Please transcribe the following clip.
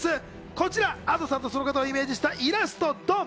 こちら、Ａｄｏさんとその方をイメージしたイラスト、ドン！